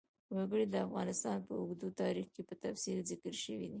وګړي د افغانستان په اوږده تاریخ کې په تفصیل ذکر شوی دی.